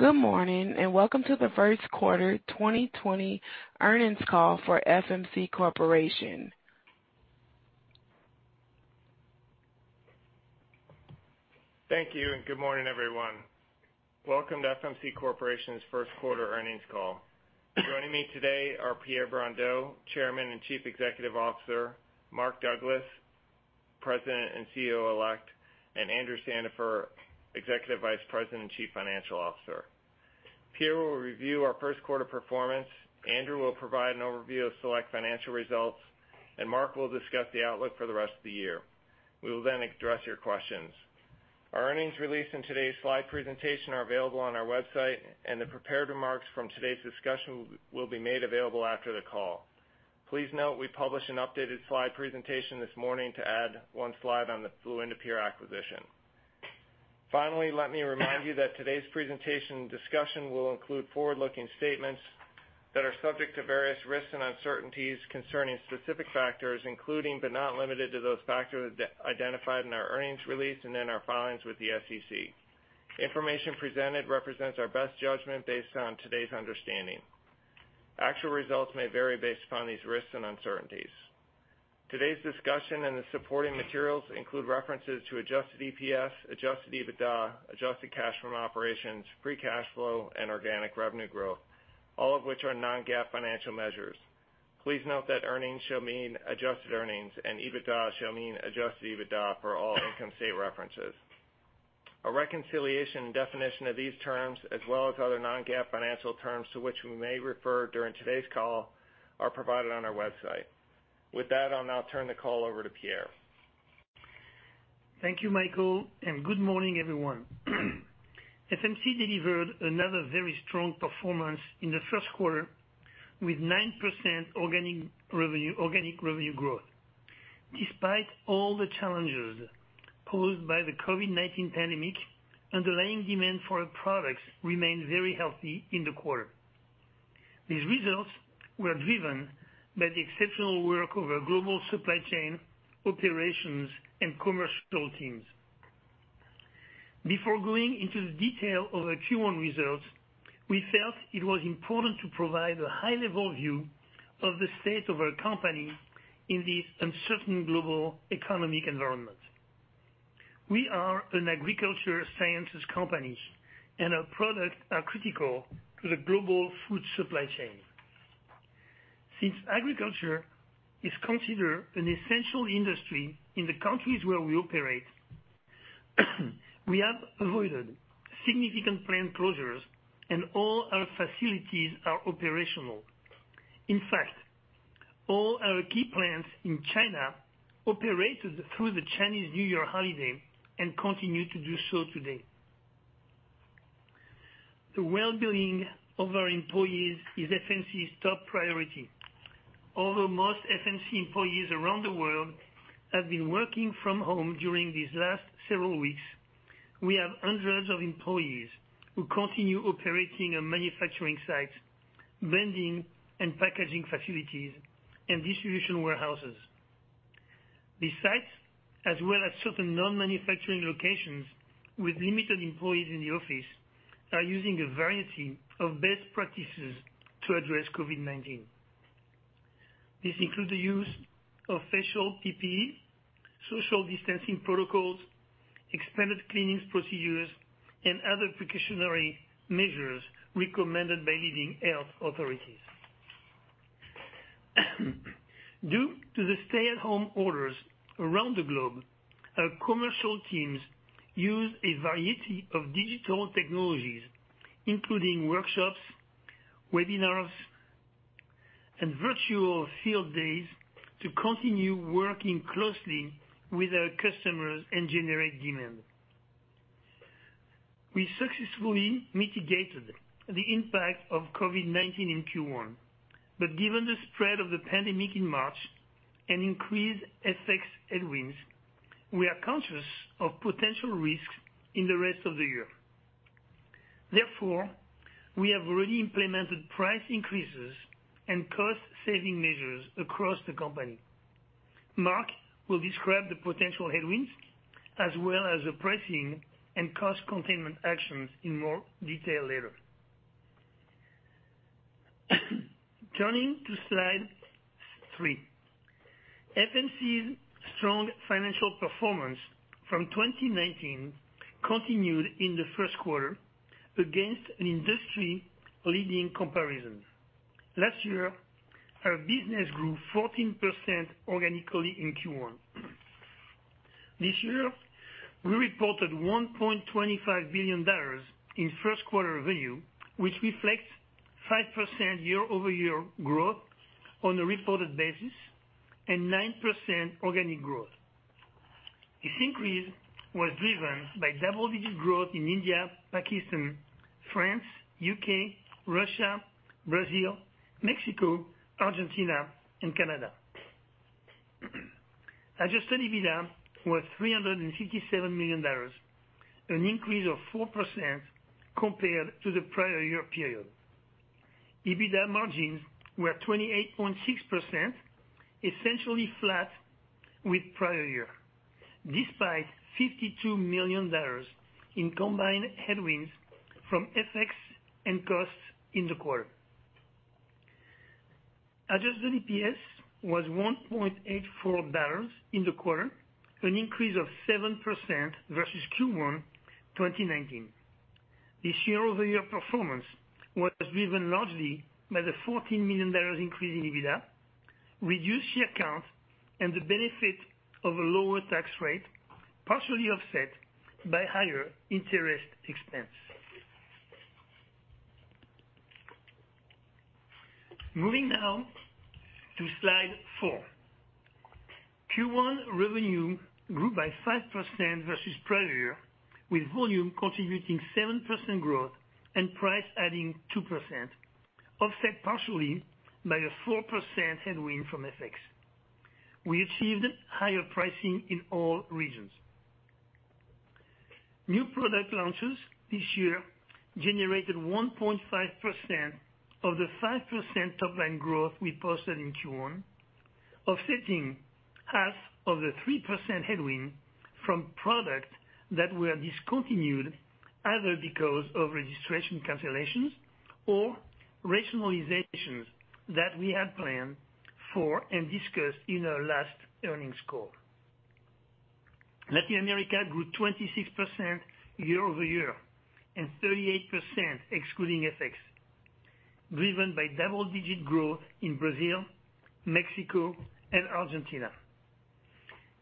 Good morning. Welcome to the first quarter 2020 earnings call for FMC Corporation. Thank you. Good morning, everyone. Welcome to FMC Corporation's first quarter earnings call. Joining me today are Pierre Brondeau, Chairman and Chief Executive Officer, Mark Douglas, President and CEO Elect, and Andrew Sandifer, Executive Vice President and Chief Financial Officer. Pierre will review our first quarter performance, Andrew will provide an overview of select financial results, and Mark will discuss the outlook for the rest of the year. We will address your questions. Our earnings release and today's slide presentation are available on our website, and the prepared remarks from today's discussion will be made available after the call. Please note we published an updated slide presentation this morning to add one slide on the fluindapyr acquisition. Finally, let me remind you that today's presentation discussion will include forward-looking statements that are subject to various risks and uncertainties concerning specific factors, including, but not limited to those factors identified in our earnings release and in our filings with the SEC. Information presented represents our best judgment based on today's understanding. Actual results may vary based upon these risks and uncertainties. Today's discussion and the supporting materials include references to adjusted EPS, adjusted EBITDA, adjusted cash from operations, free cash flow, and organic revenue growth, all of which are non-GAAP financial measures. Please note that earnings shall mean adjusted earnings and EBITDA shall mean adjusted EBITDA for all income statement references. A reconciliation definition of these terms, as well as other non-GAAP financial terms to which we may refer during today's call, are provided on our website. With that, I'll now turn the call over to Pierre. Thank you, Michael. Good morning, everyone. FMC delivered another very strong performance in the first quarter with 9% organic revenue growth. Despite all the challenges posed by the COVID-19 pandemic, underlying demand for our products remained very healthy in the quarter. These results were driven by the exceptional work of our global supply chain operations and commercial teams. Before going into the detail of our Q1 results, we felt it was important to provide a high-level view of the state of our company in this uncertain global economic environment. We are an agriculture sciences company. Our products are critical to the global food supply chain. Since agriculture is considered an essential industry in the countries where we operate, we have avoided significant plant closures and all our facilities are operational. In fact, all our key plants in China operated through the Chinese New Year holiday and continue to do so today. The well-being of our employees is FMC's top priority. Although most FMC employees around the world have been working from home during these last several weeks, we have hundreds of employees who continue operating our manufacturing sites, blending and packaging facilities, and distribution warehouses. These sites, as well as certain non-manufacturing locations with limited employees in the office, are using a variety of best practices to address COVID-19. This includes the use of facial PPE, social distancing protocols, expanded cleaning procedures, and other precautionary measures recommended by leading health authorities. Due to the stay-at-home orders around the globe, our commercial teams use a variety of digital technologies, including workshops, webinars, and virtual field days to continue working closely with our customers and generate demand. We successfully mitigated the impact of COVID-19 in Q1. Given the spread of the pandemic in March and increased FX headwinds, we are conscious of potential risks in the rest of the year. Therefore, we have already implemented price increases and cost-saving measures across the company. Mark will describe the potential headwinds as well as the pricing and cost containment actions in more detail later. Turning to slide three. FMC's strong financial performance from 2019 continued in the first quarter against an industry-leading comparison. Last year, our business grew 14% organically in Q1. This year, we reported $1.25 billion in first quarter revenue, which reflects 5% year-over-year growth on a reported basis and 9% organic growth. This increase was driven by double-digit growth in India, Pakistan, France, U.K., Russia, Brazil, Mexico, Argentina, and Canada. Adjusted EBITDA was $367 million, an increase of 4% compared to the prior year period. EBITDA margins were 28.6%, essentially flat with prior year, despite $52 million in combined headwinds from FX and costs in the quarter. Adjusted EPS was $1.84 in the quarter, an increase of 7% versus Q1 2019. This year-over-year performance was driven largely by the $14 million increase in EBITDA, reduced share count, and the benefit of a lower tax rate, partially offset by higher interest expense. Moving now to slide four. Q1 revenue grew by 5% versus prior year, with volume contributing 7% growth and price adding 2%, offset partially by a 4% headwind from FX. We achieved higher pricing in all regions. New product launches this year generated 1.5% of the 5% top line growth we posted in Q1, offsetting half of the 3% headwind from product that were discontinued either because of registration cancellations or rationalizations that we had planned for and discussed in our last earnings call. Latin America grew 26% year-over-year and 38% excluding FX, driven by double-digit growth in Brazil, Mexico, and Argentina.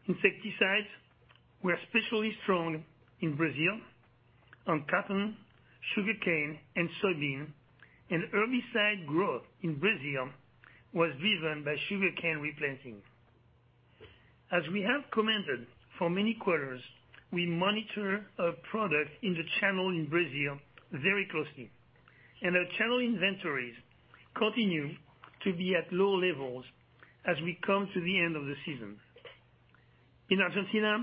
Insecticides were especially strong in Brazil on cotton, sugarcane, and soybean. Herbicide growth in Brazil was driven by sugarcane replanting. As we have commented for many quarters, we monitor our product in the channel in Brazil very closely, and our channel inventories continue to be at low levels as we come to the end of the season. In Argentina,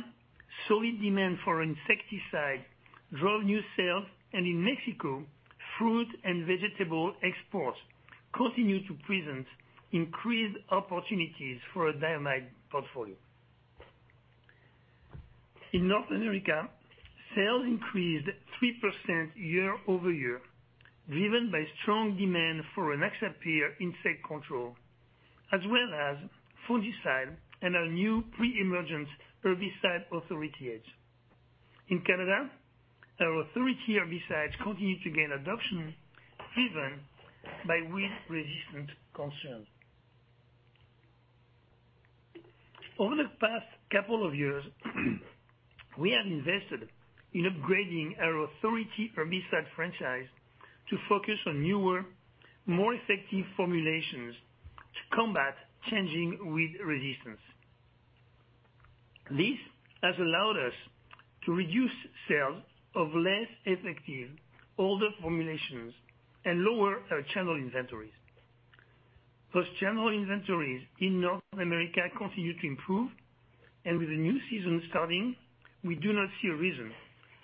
solid demand for insecticide drove new sales, and in Mexico, fruit and vegetable exports continue to present increased opportunities for a diamide portfolio. In North America, sales increased 3% year-over-year, driven by strong demand for an Axapier insect control, as well as fungicide and our new pre-emergence herbicide Authority Edge. In Canada, our Authority herbicides continue to gain adoption driven by weed-resistant concerns. Over the past couple of years, we have invested in upgrading our Authority herbicide franchise to focus on newer, more effective formulations to combat changing weed resistance. This has allowed us to reduce sales of less effective older formulations and lower our channel inventories. Those channel inventories in North America continue to improve, and with the new season starting, we do not see a reason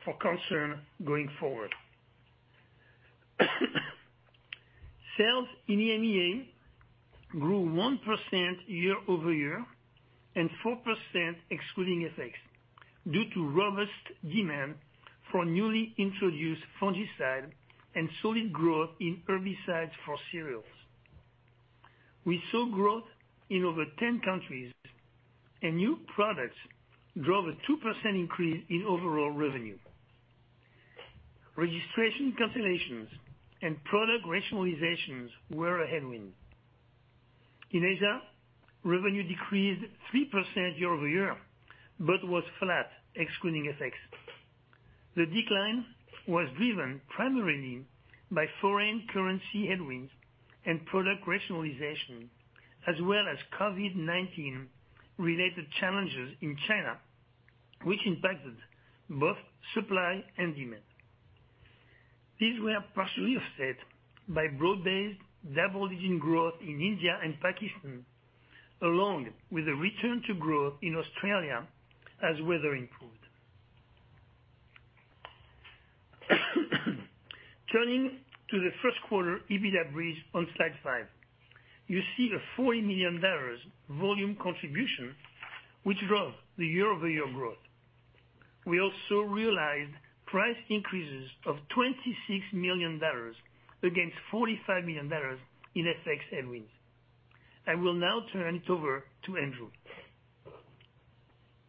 for concern going forward. Sales in EMEA grew 1% year-over-year and 4% excluding FX due to robust demand for newly introduced fungicide and solid growth in herbicides for cereals. We saw growth in over 10 countries and new products drove a 2% increase in overall revenue. Registration cancellations and product rationalizations were a headwind. In Asia, revenue decreased 3% year-over-year, but was flat excluding FX. The decline was driven primarily by foreign currency headwinds and product rationalization, as well as COVID-19 related challenges in China, which impacted both supply and demand. These were partially offset by broad-based double-digit growth in India and Pakistan, along with a return to growth in Australia as weather improved. Turning to the first quarter EBITDA bridge on slide five. You see a $40 million volume contribution, which drove the year-over-year growth. We also realized price increases of $26 million against $45 million in FX headwinds. I will now turn it over to Andrew.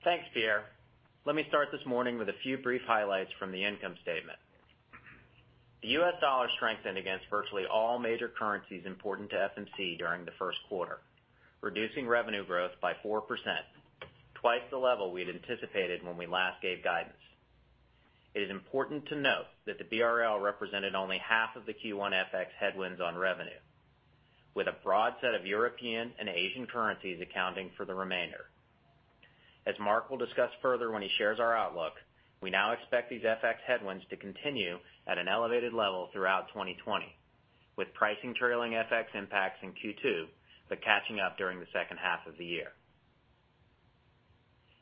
Thanks, Pierre. Let me start this morning with a few brief highlights from the income statement. The U.S. dollar strengthened against virtually all major currencies important to FMC during the first quarter, reducing revenue growth by 4%, twice the level we had anticipated when we last gave guidance. It is important to note that the BRL represented only half of the Q1 FX headwinds on revenue, with a broad set of European and Asian currencies accounting for the remainder. As Mark will discuss further when he shares our outlook, we now expect these FX headwinds to continue at an elevated level throughout 2020, with pricing trailing FX impacts in Q2, but catching up during the second half of the year.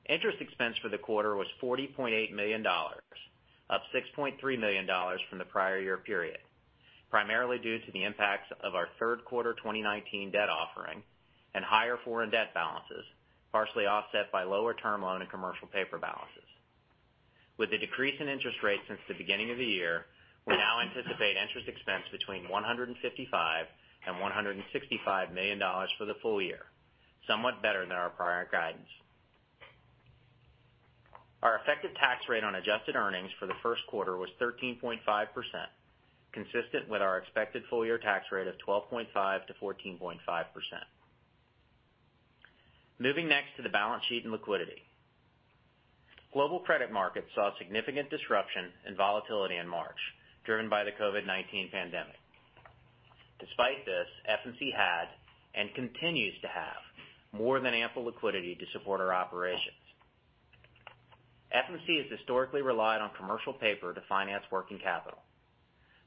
Interest expense for the quarter was $40.8 million, up $6.3 million from the prior year period, primarily due to the impacts of our third quarter 2019 debt offering and higher foreign debt balances, partially offset by lower term loan and commercial paper balances. With the decrease in interest rates since the beginning of the year, we now anticipate interest expense between $155 million and $165 million for the full year, somewhat better than our prior guidance. Our effective tax rate on adjusted earnings for the first quarter was 13.5%, consistent with our expected full year tax rate of 12.5%-14.5%. Moving next to the balance sheet and liquidity. Global credit markets saw significant disruption and volatility in March, driven by the COVID-19 pandemic. Despite this, FMC had and continues to have more than ample liquidity to support our operations. FMC has historically relied on commercial paper to finance working capital.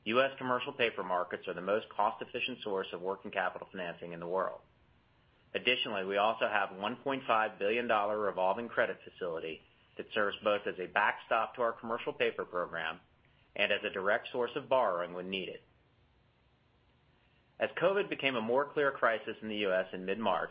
U.S. commercial paper markets are the most cost-efficient source of working capital financing in the world. Additionally, we also have a $1.5 billion revolving credit facility that serves both as a backstop to our commercial paper program and as a direct source of borrowing when needed. As COVID became a more clear crisis in the U.S. in mid-March,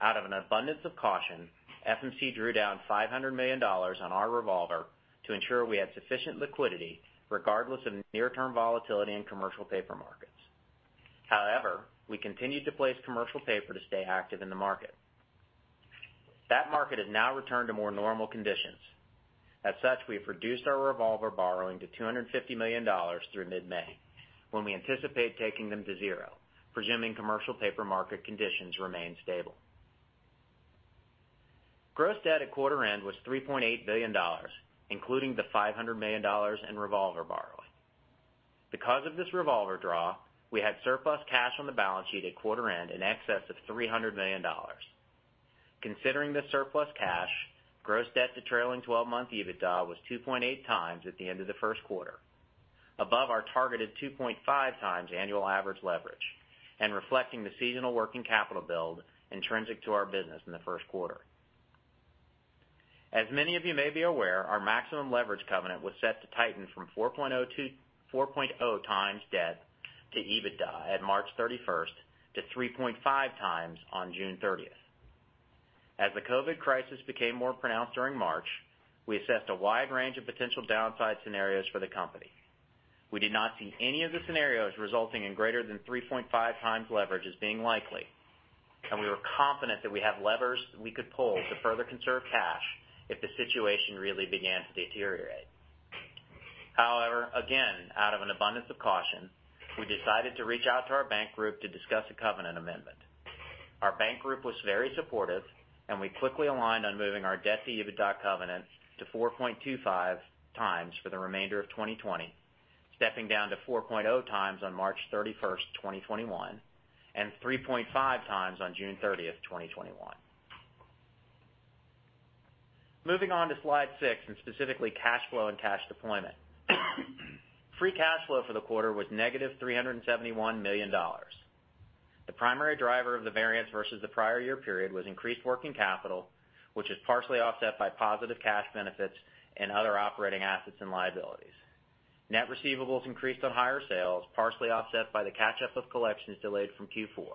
out of an abundance of caution, FMC drew down $500 million on our revolver to ensure we had sufficient liquidity regardless of near-term volatility in commercial paper markets. However, we continued to place commercial paper to stay active in the market. That market has now returned to more normal conditions. As such, we have reduced our revolver borrowing to $250 million through mid-May, when we anticipate taking them to zero, presuming commercial paper market conditions remain stable. Gross debt at quarter end was $3.8 billion, including the $500 million in revolver borrowing. Because of this revolver draw, we had surplus cash on the balance sheet at quarter end in excess of $300 million. Considering the surplus cash, gross debt to trailing 12-month EBITDA was 2.8 times at the end of the first quarter, above our targeted 2.5 times annual average leverage, and reflecting the seasonal working capital build intrinsic to our business in the first quarter. As many of you may be aware, our maximum leverage covenant was set to tighten from 4.0 times debt to EBITDA at March 31st to 3.5 times on June 30th. As the COVID crisis became more pronounced during March, we assessed a wide range of potential downside scenarios for the company. We did not see any of the scenarios resulting in greater than 3.5 times leverage as being likely, and we were confident that we have levers that we could pull to further conserve cash if the situation really began to deteriorate. Again, out of an abundance of caution, we decided to reach out to our bank group to discuss a covenant amendment. Our bank group was very supportive and we quickly aligned on moving our debt-to-EBITDA covenant to 4.25 times for the remainder of 2020, stepping down to 4.0 times on March 31st, 2021, and 3.5 times on June 30th, 2021. Moving on to slide six, and specifically cash flow and cash deployment. Free cash flow for the quarter was negative $371 million. The primary driver of the variance versus the prior year period was increased working capital, which is partially offset by positive cash benefits and other operating assets and liabilities. Net receivables increased on higher sales, partially offset by the catch-up of collections delayed from Q4.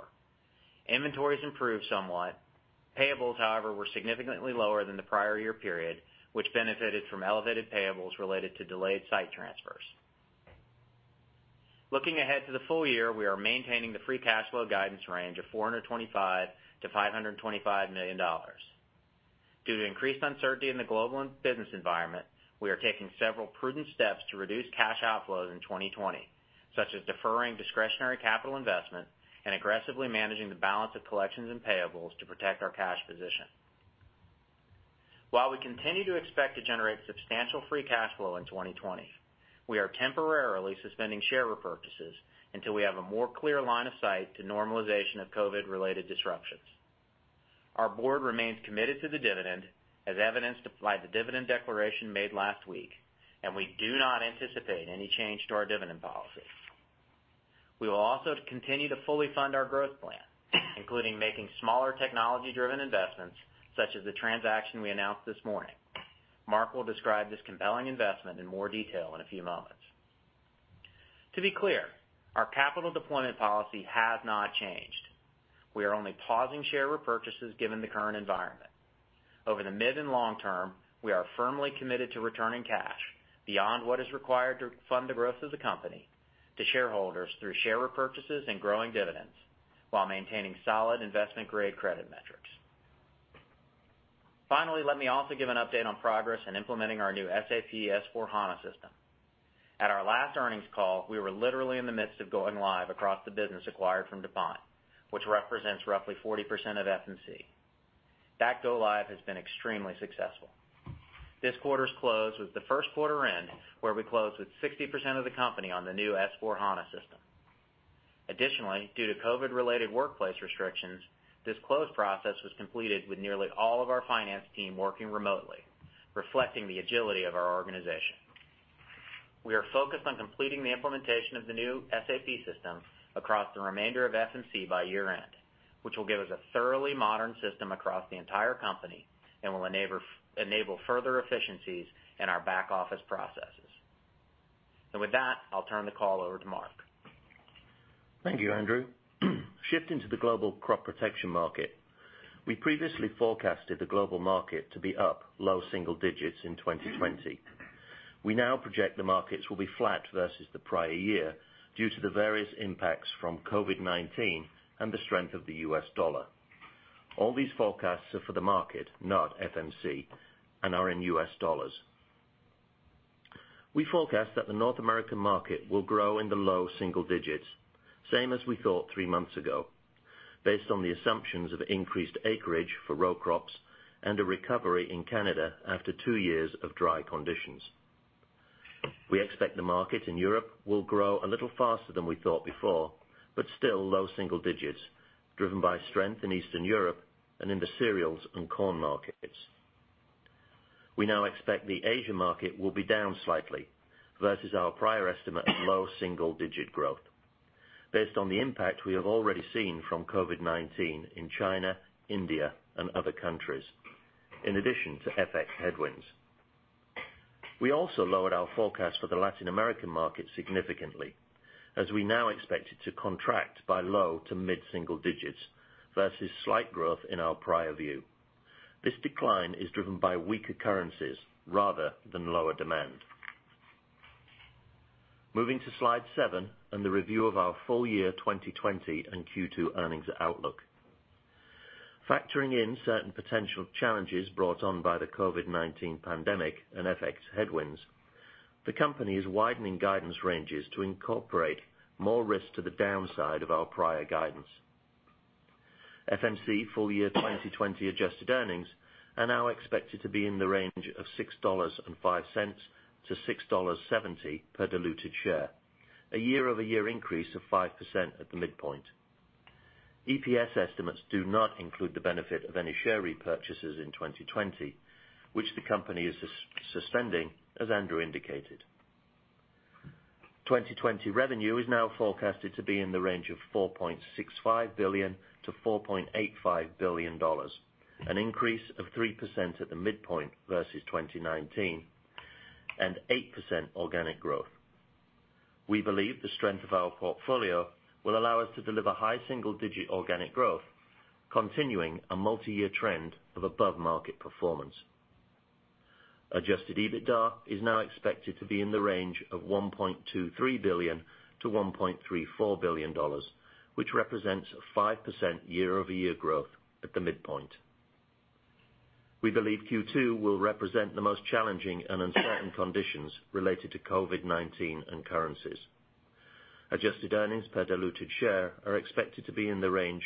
Inventories improved somewhat. Payables, however, were significantly lower than the prior year period, which benefited from elevated payables related to delayed site transfers. Looking ahead to the full year, we are maintaining the free cash flow guidance range of $425 million-$525 million. Due to increased uncertainty in the global business environment, we are taking several prudent steps to reduce cash outflows in 2020, such as deferring discretionary capital investment and aggressively managing the balance of collections and payables to protect our cash position. While we continue to expect to generate substantial free cash flow in 2020, we are temporarily suspending share repurchases until we have a more clear line of sight to normalization of COVID-related disruptions. Our board remains committed to the dividend, as evidenced by the dividend declaration made last week, and we do not anticipate any change to our dividend policy. We will also continue to fully fund our growth plan, including making smaller technology-driven investments such as the transaction we announced this morning. Mark will describe this compelling investment in more detail in a few moments. To be clear, our capital deployment policy has not changed. We are only pausing share repurchases given the current environment. Over the mid and long term, we are firmly committed to returning cash beyond what is required to fund the growth of the company to shareholders through share repurchases and growing dividends while maintaining solid investment-grade credit metrics. Finally, let me also give an update on progress in implementing our new SAP S/4HANA system. At our last earnings call, we were literally in the midst of going live across the business acquired from DuPont, which represents roughly 40% of FMC. That go live has been extremely successful. This quarter's close was the first quarter end where we closed with 60% of the company on the new S/4HANA system. Additionally, due to COVID-related workplace restrictions, this close process was completed with nearly all of our finance team working remotely, reflecting the agility of our organization. We are focused on completing the implementation of the new SAP system across the remainder of FMC by year-end, which will give us a thoroughly modern system across the entire company and will enable further efficiencies in our back-office processes. With that, I'll turn the call over to Mark. Thank you, Andrew. Shifting to the global crop protection market. We previously forecasted the global market to be up low single digits in 2020. We now project the markets will be flat versus the prior year due to the various impacts from COVID-19 and the strength of the US dollar. All these forecasts are for the market, not FMC, and are in US dollars. We forecast that the North American market will grow in the low single digits, same as we thought three months ago, based on the assumptions of increased acreage for row crops and a recovery in Canada after two years of dry conditions. We expect the market in Europe will grow a little faster than we thought before, but still low single digits driven by strength in Eastern Europe and in the cereals and corn markets. We now expect the Asia market will be down slightly versus our prior estimate of low single-digit growth. Based on the impact we have already seen from COVID-19 in China, India, and other countries, in addition to FX headwinds. We also lowered our forecast for the Latin American market significantly as we now expect it to contract by low to mid-single digits versus slight growth in our prior view. This decline is driven by weaker currencies rather than lower demand. Moving to Slide seven and the review of our full year 2020 and Q2 earnings outlook. Factoring in certain potential challenges brought on by the COVID-19 pandemic and FX headwinds, the company is widening guidance ranges to incorporate more risk to the downside of our prior guidance. FMC full year 2020 adjusted earnings are now expected to be in the range of $6.05-$6.70 per diluted share, a year-over-year increase of 5% at the midpoint. EPS estimates do not include the benefit of any share repurchases in 2020, which the company is suspending, as Andrew indicated. 2020 revenue is now forecasted to be in the range of $4.65 billion-$4.85 billion, an increase of 3% at the midpoint versus 2019 and 8% organic growth. We believe the strength of our portfolio will allow us to deliver high single-digit organic growth, continuing a multi-year trend of above-market performance. Adjusted EBITDA is now expected to be in the range of $1.23 billion-$1.34 billion, which represents 5% year-over-year growth at the midpoint. We believe Q2 will represent the most challenging and uncertain conditions related to COVID-19 and currencies. Adjusted earnings per diluted share are expected to be in the range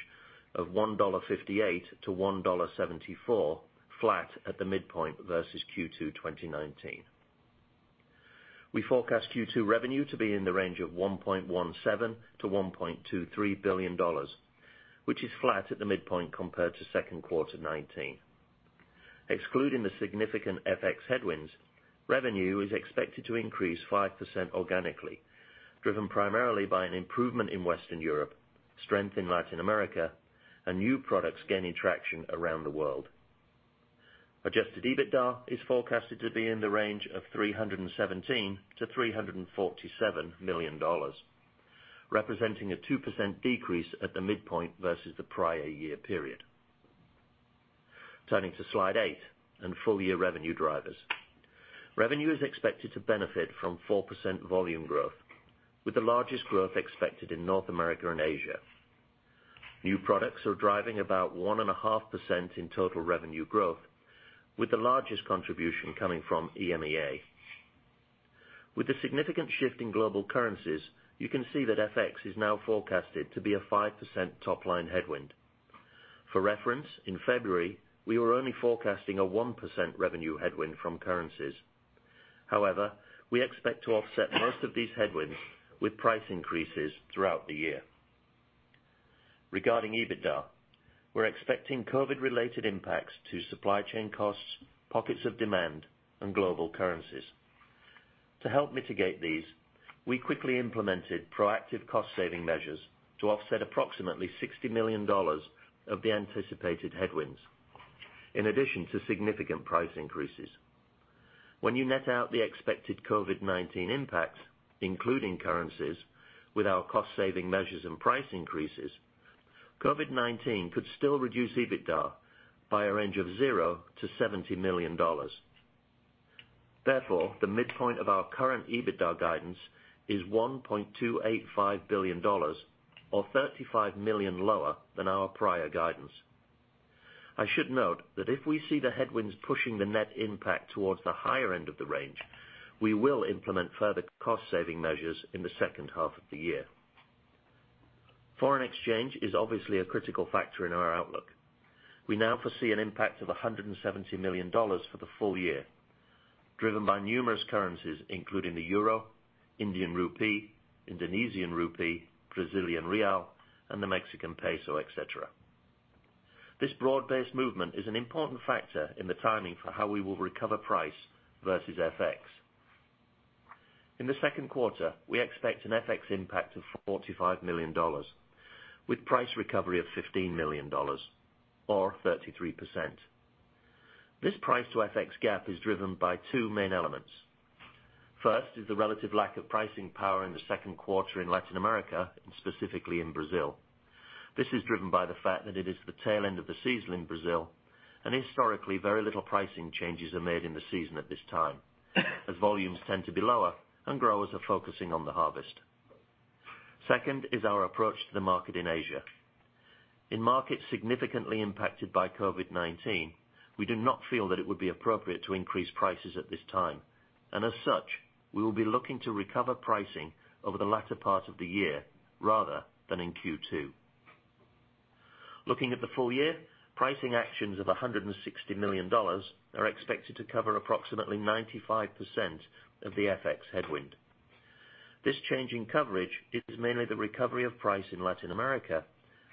of $1.58-$1.74, flat at the midpoint versus Q2 2019. We forecast Q2 revenue to be in the range of $1.17 billion-$1.23 billion, which is flat at the midpoint compared to second quarter 2019. Excluding the significant FX headwinds, revenue is expected to increase 5% organically, driven primarily by an improvement in Western Europe, strength in Latin America, and new products gaining traction around the world. Adjusted EBITDA is forecasted to be in the range of $317 million-$347 million, representing a 2% decrease at the midpoint versus the prior year period. Turning to slide eight and full-year revenue drivers. Revenue is expected to benefit from 4% volume growth, with the largest growth expected in North America and Asia. New products are driving about 1.5% in total revenue growth, with the largest contribution coming from EMEA. With the significant shift in global currencies, you can see that FX is now forecasted to be a 5% top-line headwind. For reference, in February, we were only forecasting a 1% revenue headwind from currencies. We expect to offset most of these headwinds with price increases throughout the year. Regarding EBITDA, we're expecting COVID-related impacts to supply chain costs, pockets of demand, and global currencies. To help mitigate these, we quickly implemented proactive cost-saving measures to offset approximately $60 million of the anticipated headwinds, in addition to significant price increases. When you net out the expected COVID-19 impacts, including currencies, with our cost-saving measures and price increases, COVID-19 could still reduce EBITDA by a range of 0 to $70 million. The midpoint of our current EBITDA guidance is $1.285 billion, or $35 million lower than our prior guidance. I should note that if we see the headwinds pushing the net impact towards the higher end of the range, we will implement further cost-saving measures in the second half of the year. Foreign exchange is obviously a critical factor in our outlook. We now foresee an impact of $170 million for the full year, driven by numerous currencies, including the EUR, INR, IDR, BRL, and the MXN, et cetera. This broad-based movement is an important factor in the timing for how we will recover price versus FX. In the second quarter, we expect an FX impact of $45 million, with price recovery of $15 million or 33%. This price to FX gap is driven by two main elements. First is the relative lack of pricing power in the second quarter in Latin America, and specifically in Brazil. This is driven by the fact that it is the tail end of the season in Brazil, and historically, very little pricing changes are made in the season at this time, as volumes tend to be lower and growers are focusing on the harvest. Second is our approach to the market in Asia. In markets significantly impacted by COVID-19, we do not feel that it would be appropriate to increase prices at this time, and as such, we will be looking to recover pricing over the latter part of the year rather than in Q2. Looking at the full year, pricing actions of $160 million are expected to cover approximately 95% of the FX headwind. This change in coverage is mainly the recovery of price in Latin America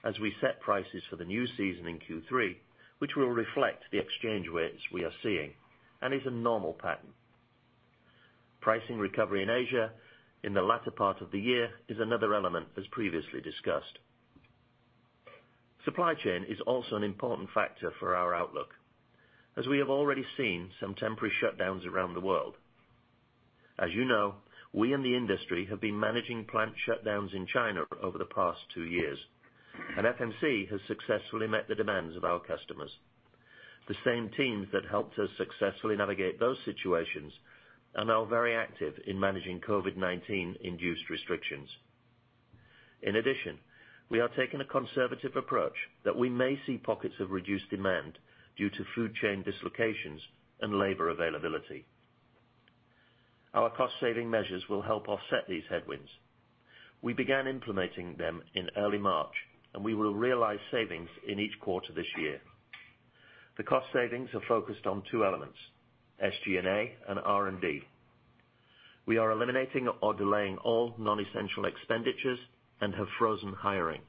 as we set prices for the new season in Q3, which will reflect the exchange rates we are seeing and is a normal pattern. Pricing recovery in Asia in the latter part of the year is another element, as previously discussed. Supply chain is also an important factor for our outlook, as we have already seen some temporary shutdowns around the world. As you know, we in the industry have been managing plant shutdowns in China over the past two years, and FMC has successfully met the demands of our customers. The same teams that helped us successfully navigate those situations are now very active in managing COVID-19-induced restrictions. In addition, we are taking a conservative approach that we may see pockets of reduced demand due to food chain dislocations and labor availability. Our cost-saving measures will help offset these headwinds. We began implementing them in early March, and we will realize savings in each quarter this year. The cost savings are focused on two elements, SG&A and R&D. We are eliminating or delaying all non-essential expenditures and have frozen hiring.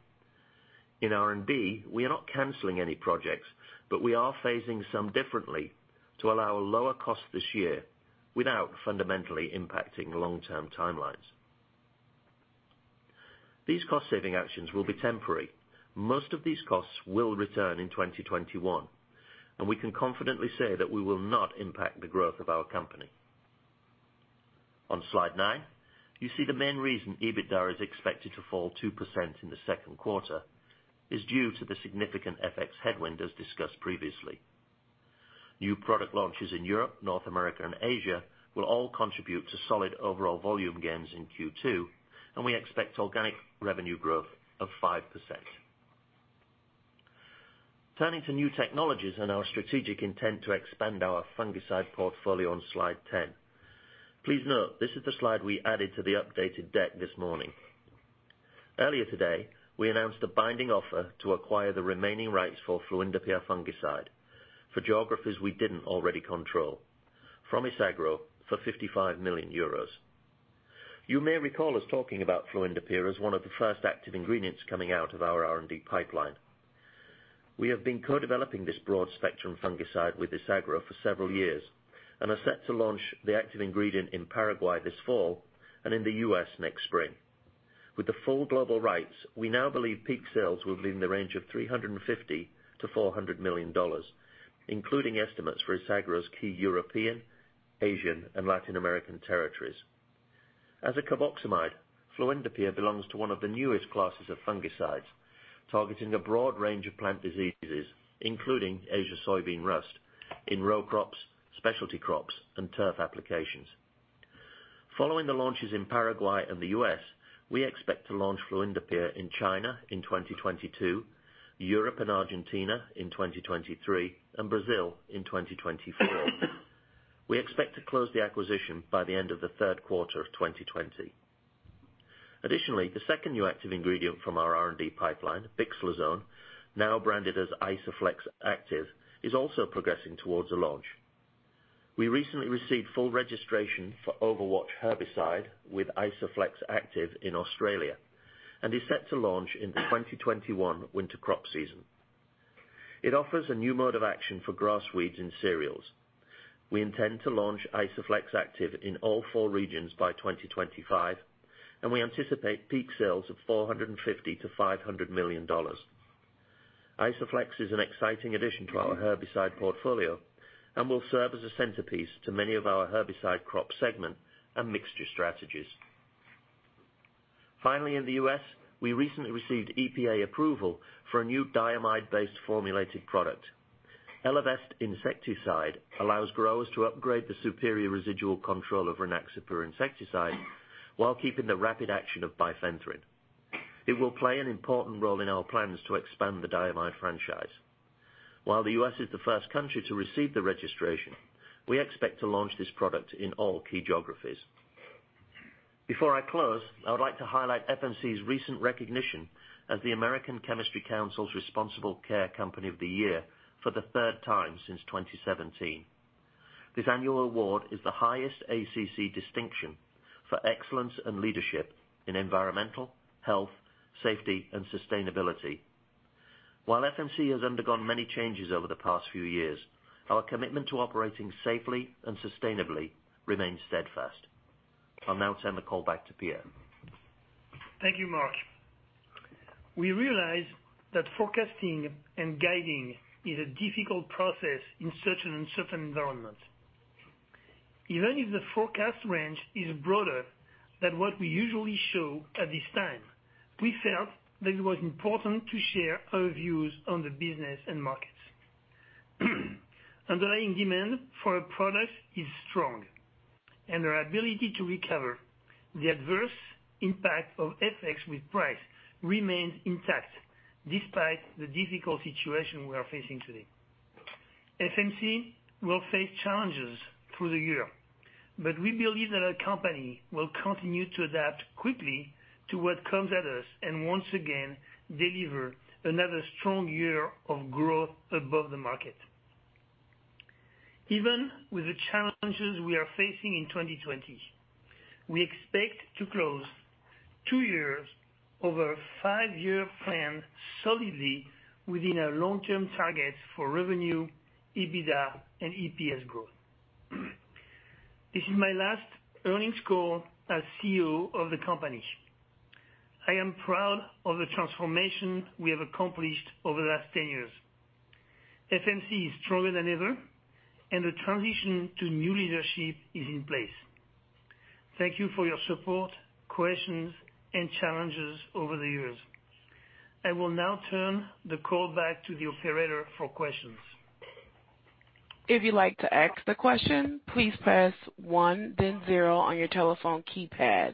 In R&D, we are not canceling any projects, but we are phasing some differently to allow a lower cost this year without fundamentally impacting long-term timelines. These cost-saving actions will be temporary. Most of these costs will return in 2021, and we can confidently say that we will not impact the growth of our company. On slide nine, you see the main reason EBITDA is expected to fall 2% in the second quarter is due to the significant FX headwind, as discussed previously. New product launches in Europe, North America, and Asia will all contribute to solid overall volume gains in Q2. We expect organic revenue growth of 5%. Turning to new technologies and our strategic intent to expand our fungicide portfolio on slide 10. Please note, this is the slide we added to the updated deck this morning. Earlier today, we announced a binding offer to acquire the remaining rights for fluindapyr fungicide for geographies we didn't already control from Isagro for €55 million. You may recall us talking about fluindapyr as one of the first active ingredients coming out of our R&D pipeline. We have been co-developing this broad-spectrum fungicide with Isagro for several years and are set to launch the active ingredient in Paraguay this fall and in the U.S. next spring. With the full global rights, we now believe peak sales will be in the range of $350 million-$400 million, including estimates for Isagro's key European, Asian, and Latin American territories. As a carboxamide, fluindapyr belongs to one of the newest classes of fungicides, targeting a broad range of plant diseases, including Asian soybean rust in row crops, specialty crops, and turf applications. Following the launches in Paraguay and the U.S., we expect to launch fluindapyr in China in 2022, Europe and Argentina in 2023, and Brazil in 2024. We expect to close the acquisition by the end of the third quarter of 2020. Additionally, the second new active ingredient from our R&D pipeline, bixlozone, now branded as Isoflex active, is also progressing towards a launch. We recently received full registration for Overwatch Herbicide with Isoflex active in Australia and is set to launch in the 2021 winter crop season. It offers a new mode of action for grass weeds and cereals. We intend to launch Isoflex active in all four regions by 2025, and we anticipate peak sales of $450 million-$500 million. Isoflex is an exciting addition to our herbicide portfolio and will serve as a centerpiece to many of our herbicide crop segment and mixture strategies. Finally, in the U.S., we recently received EPA approval for a new diamide-based formulated product. Elevest insect control allows growers to upgrade the superior residual control of Rynaxypyr insecticide while keeping the rapid action of bifenthrin. It will play an important role in our plans to expand the diamide franchise. While the U.S. is the first country to receive the registration, we expect to launch this product in all key geographies. Before I close, I would like to highlight FMC's recent recognition as the American Chemistry Council's Responsible Care Company of the Year for the third time since 2017. This annual award is the highest ACC distinction for excellence and leadership in environmental, health, safety, and sustainability. While FMC has undergone many changes over the past few years, our commitment to operating safely and sustainably remains steadfast. I'll now turn the call back to Pierre. Thank you, Mark. We realize that forecasting and guiding is a difficult process in such an uncertain environment. Even if the forecast range is broader than what we usually show at this time, we felt that it was important to share our views on the business and markets. Underlying demand for our products is strong, and our ability to recover the adverse impact of FX with price remains intact despite the difficult situation we are facing today. FMC will face challenges through the year, but we believe that our company will continue to adapt quickly to what comes at us, and once again, deliver another strong year of growth above the market. Even with the challenges we are facing in 2020, we expect to close two years of our five-year plan solidly within our long-term targets for revenue, EBITDA, and EPS growth. This is my last earnings call as CEO of the company. I am proud of the transformation we have accomplished over the last 10 years. FMC is stronger than ever, and the transition to new leadership is in place. Thank you for your support, questions, and challenges over the years. I will now turn the call back to the operator for questions. If you'd like to ask the question, please press one then zero on your telephone keypad.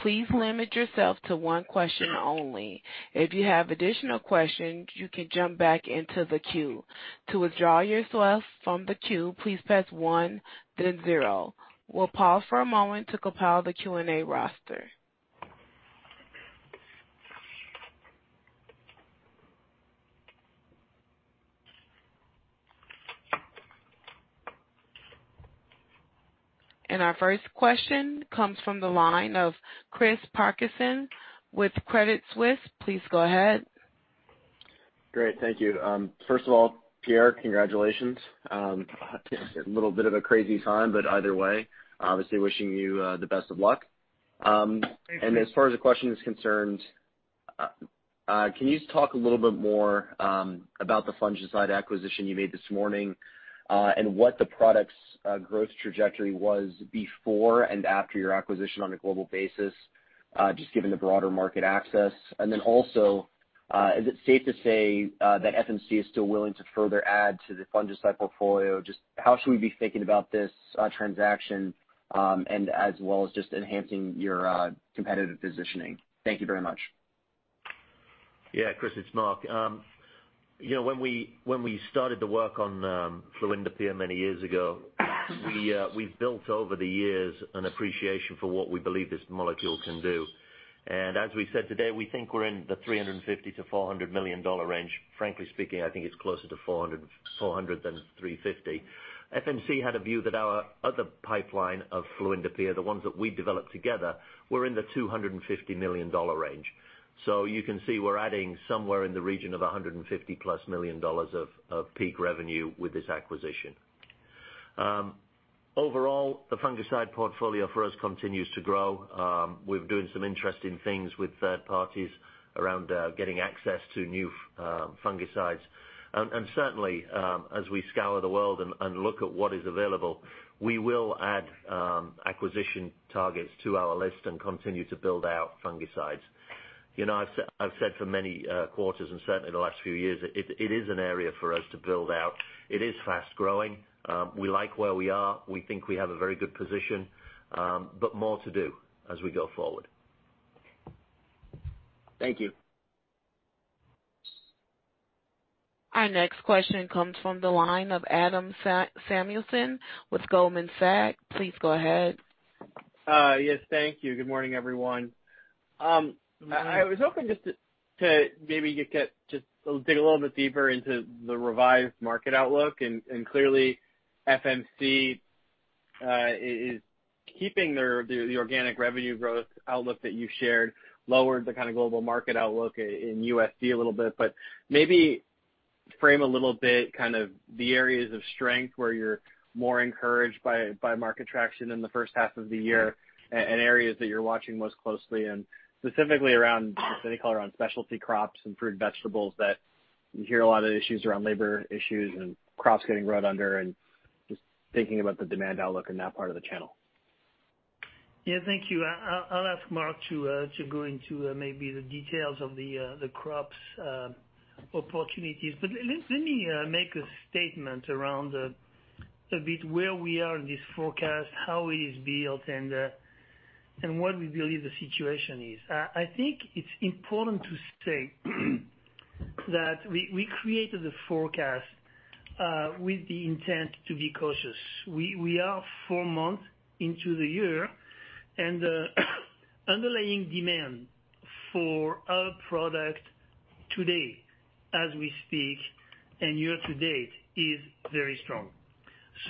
Please limit yourself to one question only. If you have additional questions, you can jump back into the queue. To withdraw yourself from the queue, please press one then zero. We'll pause for a moment to compile the Q&A roster. And our first question comes from the line of Chris Parkinson with Credit Suisse. Please go ahead. Great. Thank you. First of all, Pierre, congratulations. Thank you. A little bit of a crazy time, but either way, obviously wishing you the best of luck. Thank you. As far as the question is concerned, can you talk a little bit more about the fungicide acquisition you made this morning? What the product's growth trajectory was before and after your acquisition on a global basis, just given the broader market access. Also, is it safe to say that FMC is still willing to further add to the fungicide portfolio? Just how should we be thinking about this transaction, and as well as just enhancing your competitive positioning? Thank you very much. Yeah, Chris, it's Mark. When we started the work on fluindapyr many years ago, we built over the years an appreciation for what we believe this molecule can do. As we said today, we think we're in the $350 million-$400 million range. Frankly speaking, I think it's closer to 400 than 350. FMC had a view that our other pipeline of fluindapyr, the ones that we developed together, were in the $250 million range. You can see we're adding somewhere in the region of $150 plus million of peak revenue with this acquisition. Overall, the fungicide portfolio for us continues to grow. We're doing some interesting things with third parties around getting access to new fungicides. Certainly, as we scour the world and look at what is available, we will add acquisition targets to our list and continue to build out fungicides. I've said for many quarters and certainly the last few years, it is an area for us to build out. It is fast-growing. We like where we are. We think we have a very good position, but more to do as we go forward. Thank you. Our next question comes from the line of Adam Samuelson with Goldman Sachs. Please go ahead. Yes. Thank you. Good morning, everyone. Good morning. I was hoping just to maybe dig a little bit deeper into the revised market outlook, clearly FMC is keeping the organic revenue growth outlook that you shared lowered the kind of global market outlook in USD a little bit. Maybe frame a little bit the areas of strength where you're more encouraged by market traction in the first half of the year and areas that you're watching most closely. Specifically around specialty crops and fruit and vegetables that you hear a lot of issues around labor issues and crops getting rot under, and just thinking about the demand outlook in that part of the channel. Yeah, thank you. I'll ask Mark to go into maybe the details of the crops opportunities. Let me make a statement around a bit where we are in this forecast, how it is built, and what we believe the situation is. I think it's important to state that we created the forecast with the intent to be cautious. We are four months into the year and the underlying demand for our product today, as we speak, and year to date is very strong.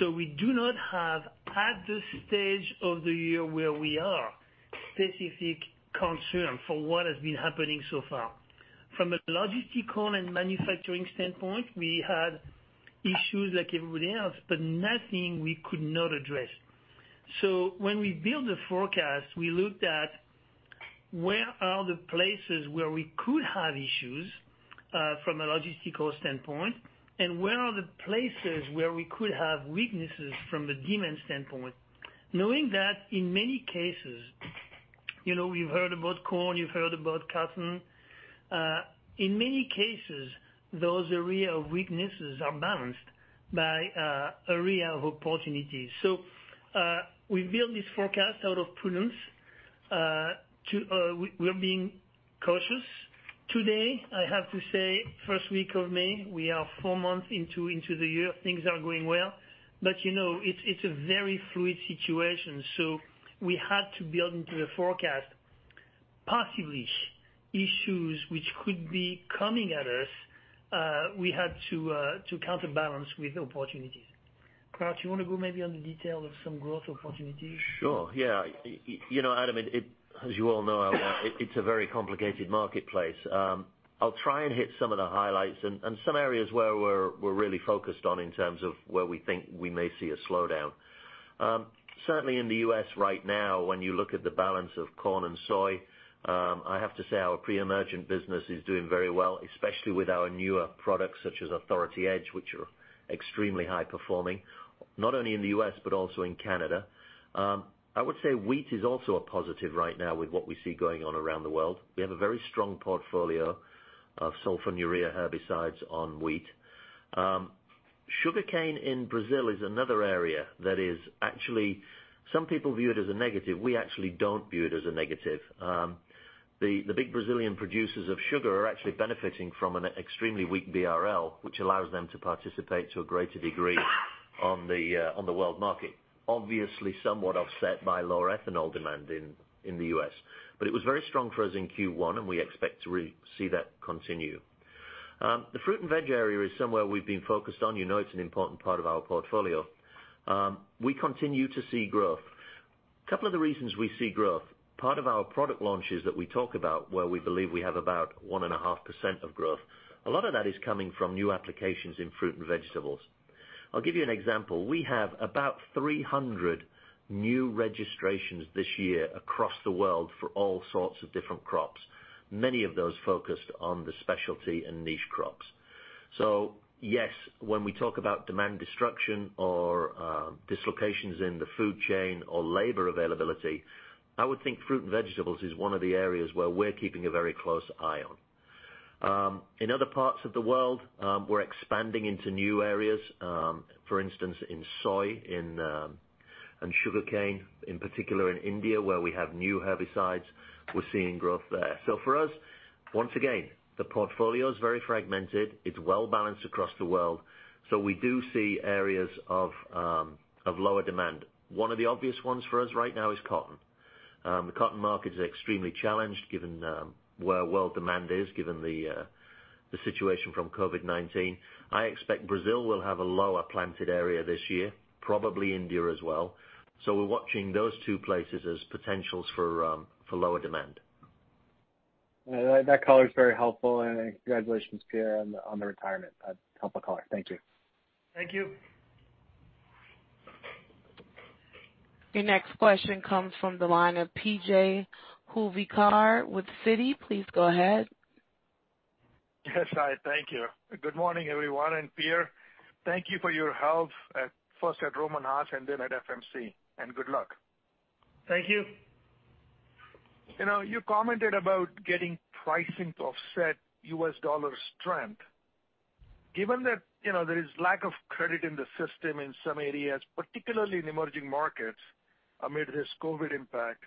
We do not have, at this stage of the year where we are, specific concern for what has been happening so far. From a logistical and manufacturing standpoint, we had issues like everybody else, but nothing we could not address. When we build the forecast, we looked at where are the places where we could have issues from a logistical standpoint, and where are the places where we could have weaknesses from the demand standpoint, knowing that in many cases, you've heard about corn, you've heard about cotton. In many cases, those area of weaknesses are balanced by area of opportunities. We build this forecast out of prudence. We're being cautious today. I have to say, first week of May, we are four months into the year. Things are going well. It's a very fluid situation, so we had to build into the forecast possibly issues which could be coming at us, we had to counterbalance with opportunities. Mark, do you want to go maybe on the detail of some growth opportunities? Sure. Yeah. Adam, as you all know, it's a very complicated marketplace. I'll try and hit some of the highlights and some areas where we're really focused on in terms of where we think we may see a slowdown. Certainly, in the U.S. right now, when you look at the balance of corn and soy, I have to say our pre-emergent business is doing very well, especially with our newer products such as Authority Edge, which are extremely high performing, not only in the U.S., but also in Canada. I would say wheat is also a positive right now with what we see going on around the world. We have a very strong portfolio of sulfonylurea herbicides on wheat. Sugarcane in Brazil is another area that is actually, some people view it as a negative. We actually don't view it as a negative. The big Brazilian producers of sugar are actually benefiting from an extremely weak BRL, which allows them to participate to a greater degree on the world market. Obviously, somewhat offset by lower ethanol demand in the U.S. It was very strong for us in Q1, and we expect to really see that continue. The fruit and veg area is somewhere we've been focused on. You know it's an important part of our portfolio. We continue to see growth. Couple of the reasons we see growth, part of our product launches that we talk about where we believe we have about one and a half % of growth, a lot of that is coming from new applications in fruit and vegetables. I'll give you an example. We have about 300 new registrations this year across the world for all sorts of different crops, many of those focused on the specialty and niche crops. Yes, when we talk about demand destruction or dislocations in the food chain or labor availability, I would think fruit and vegetables is one of the areas where we're keeping a very close eye on. In other parts of the world, we're expanding into new areas. For instance, in soy and sugarcane, in particular in India where we have new herbicides, we're seeing growth there. For us, once again, the portfolio is very fragmented. It's well-balanced across the world. We do see areas of lower demand. One of the obvious ones for us right now is cotton. The cotton market is extremely challenged given where world demand is, given the situation from COVID-19. I expect Brazil will have a lower planted area this year, probably India as well. We're watching those two places as potentials for lower demand. That color is very helpful, and congratulations, Pierre, on the retirement. Helpful color. Thank you. Thank you. Your next question comes from the line of PJ Juvekar with Citi. Please go ahead. Yes. Hi, thank you. Good morning, everyone. Pierre, thank you for your help at first at Rohm and Haas and then at FMC, and good luck. Thank you. You commented about getting pricing to offset U.S. dollar strength. Given that there is lack of credit in the system in some areas, particularly in emerging markets amid this COVID impact,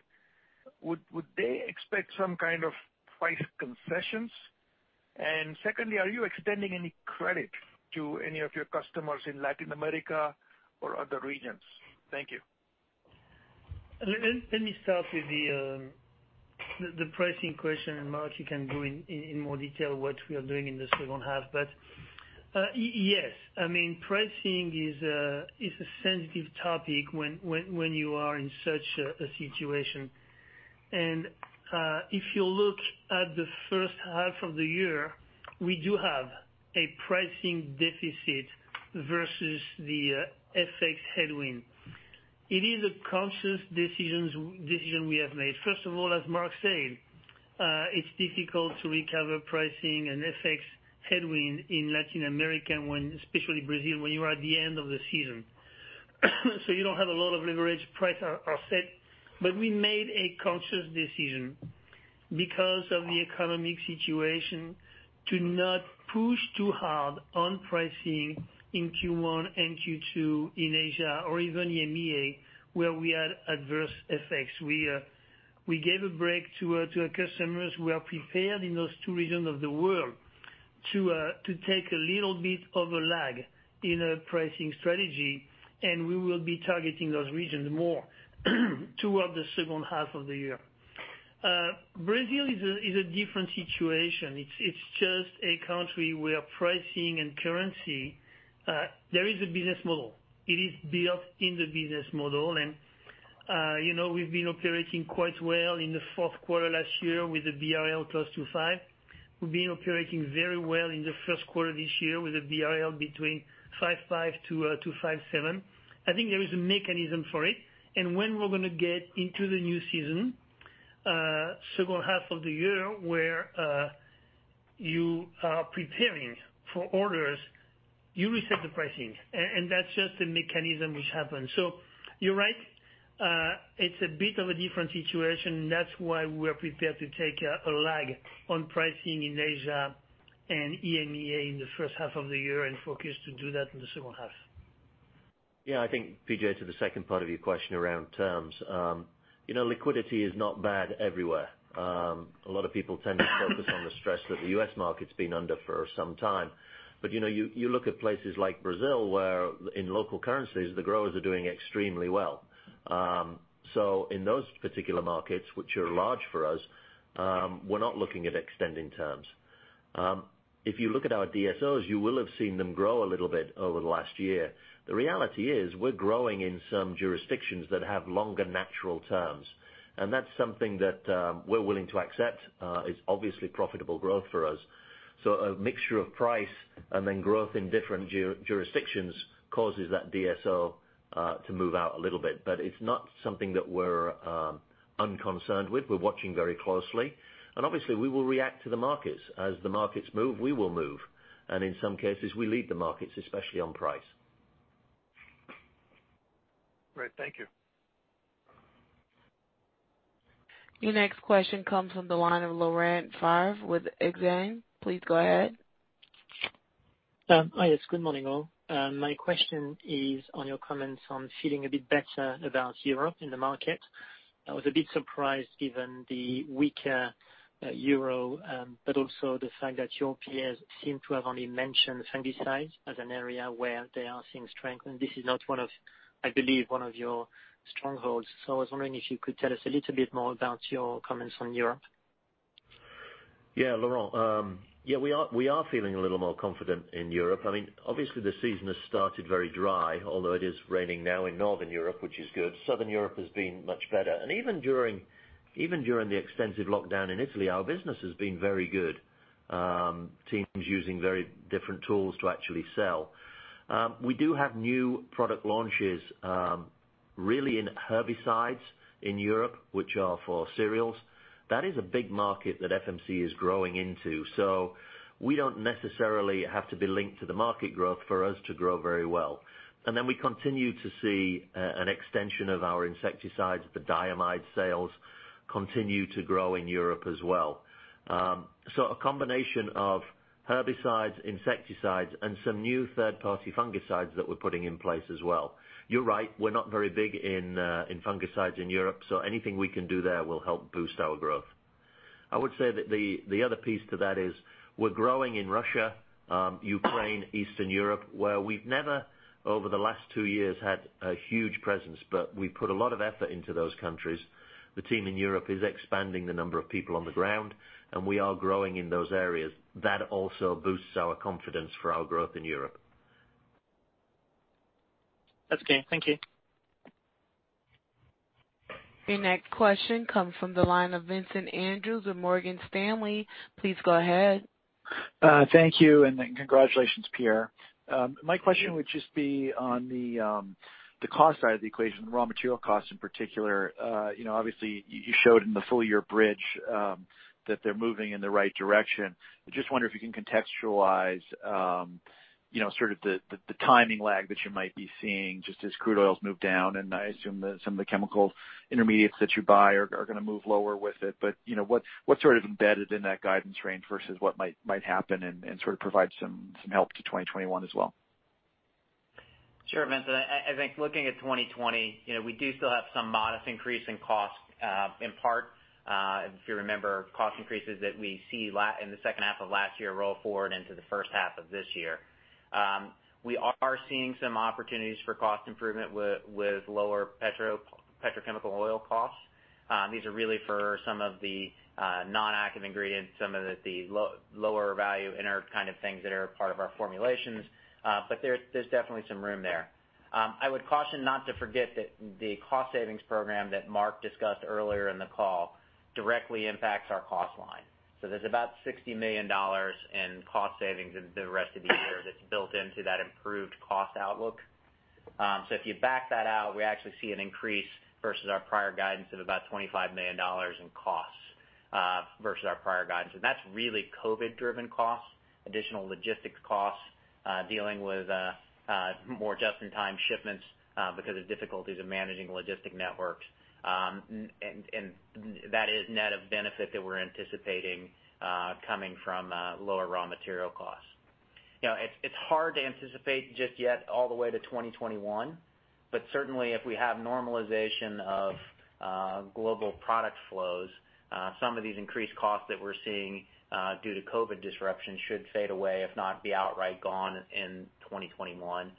would they expect some kind of price concessions? Secondly, are you extending any credit to any of your customers in Latin America or other regions? Thank you. Let me start with the pricing question, Mark, you can go in more detail what we are doing in the second half. Yes. Pricing is a sensitive topic when you are in such a situation. If you look at the first half of the year, we do have a pricing deficit versus the FX headwind. It is a conscious decision we have made. First of all, as Mark said, it's difficult to recover pricing and FX headwind in Latin America, and when especially Brazil, when you are at the end of the season. You don't have a lot of leverage, prices are set. We made a conscious decision because of the economic situation to not push too hard on pricing in Q1 and Q2 in Asia or even EMEA, where we had adverse effects. We gave a break to our customers who are prepared in those two regions of the world. To take a little bit of a lag in a pricing strategy, we will be targeting those regions more toward the second half of the year. Brazil is a different situation. It's just a country where pricing and currency, there is a business model. It is built in the business model, we've been operating quite well in the fourth quarter last year with the BRL close to five. We've been operating very well in the first quarter of this year with the BRL between 5.5 to 5.7. I think there is a mechanism for it, when we're going to get into the new season, second half of the year, where you are preparing for orders, you reset the pricing. That's just a mechanism which happens. You're right. It's a bit of a different situation, and that's why we are prepared to take a lag on pricing in Asia and EMEA in the first half of the year and focus to do that in the second half. Yeah, I think, PJ, to the second part of your question around terms. Liquidity is not bad everywhere. A lot of people tend to focus on the stress that the U.S. market's been under for some time. You look at places like Brazil, where in local currencies, the growers are doing extremely well. In those particular markets, which are large for us, we're not looking at extending terms. If you look at our DSOs, you will have seen them grow a little bit over the last year. The reality is, we're growing in some jurisdictions that have longer natural terms, and that's something that we're willing to accept. It's obviously profitable growth for us. A mixture of price and then growth in different jurisdictions causes that DSO to move out a little bit. It's not something that we're unconcerned with. We're watching very closely. Obviously, we will react to the markets. As the markets move, we will move. In some cases, we lead the markets, especially on price. Great. Thank you. Your next question comes from the line of Laurent Favre with Exane. Please go ahead. Hi, yes. Good morning, all. My question is on your comments on feeling a bit better about Europe in the market. I was a bit surprised given the weaker euro, but also the fact that your peers seem to have only mentioned fungicides as an area where they are seeing strength, and this is not one of, I believe, one of your strongholds. I was wondering if you could tell us a little bit more about your comments on Europe. Yeah, Laurent. We are feeling a little more confident in Europe. The season has started very dry, although it is raining now in Northern Europe, which is good. Southern Europe has been much better. Even during the extensive lockdown in Italy, our business has been very good. Teams using very different tools to actually sell. We do have new product launches, really in herbicides in Europe, which are for cereals. That is a big market that FMC is growing into. We don't necessarily have to be linked to the market growth for us to grow very well. We continue to see an extension of our insecticides. The diamide sales continue to grow in Europe as well. A combination of herbicides, insecticides, and some new third-party fungicides that we're putting in place as well. You're right, we're not very big in fungicides in Europe. Anything we can do there will help boost our growth. I would say that the other piece to that is we're growing in Russia, Ukraine, Eastern Europe, where we've never, over the last two years, had a huge presence. We put a lot of effort into those countries. The team in Europe is expanding the number of people on the ground. We are growing in those areas. That also boosts our confidence for our growth in Europe. That's okay. Thank you. Your next question comes from the line of Vincent Andrews with Morgan Stanley. Please go ahead. Thank you, and congratulations, Pierre. My question would just be on the cost side of the equation, the raw material costs in particular. Obviously, you showed in the full-year bridge that they're moving in the right direction. I just wonder if you can contextualize the timing lag that you might be seeing just as crude oil's moved down, and I assume that some of the chemical intermediates that you buy are going to move lower with it. What's embedded in that guidance range versus what might happen and provide some help to 2021 as well? Sure, Vincent. I think looking at 2020, we do still have some modest increase in cost in part. If you remember, cost increases that we see in the second half of last year roll forward into the first half of this year. We are seeing some opportunities for cost improvement with lower petrochemical oil costs. These are really for some of the non-active ingredients, some of the lower value inert kind of things that are part of our formulations. There's definitely some room there. I would caution not to forget that the cost savings program that Mark discussed earlier in the call directly impacts our cost line. There's about $60 million in cost savings in the rest of the year that's built into that improved cost outlook. If you back that out, we actually see an increase versus our prior guidance of about $25 million in costs versus our prior guidance. That's really COVID-driven costs, additional logistics costs dealing with more just-in-time shipments because of difficulties of managing logistic networks. That is net of benefit that we're anticipating coming from lower raw material costs. It's hard to anticipate just yet all the way to 2021. Certainly, if we have normalization of global product flows, some of these increased costs that we're seeing due to COVID disruption should fade away, if not be outright gone in 2021.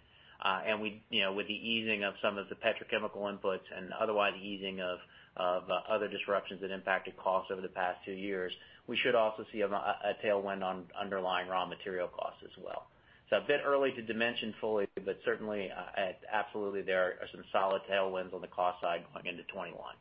With the easing of some of the petrochemical inputs and otherwise easing of other disruptions that impacted costs over the past two years, we should also see a tailwind on underlying raw material costs as well. A bit early to dimension fully, but certainly, absolutely there are some solid tailwinds on the cost side going into 2021.